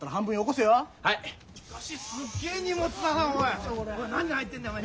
しかしすっげえ荷物だなおい。